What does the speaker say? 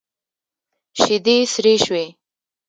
شيدې سرې شوې.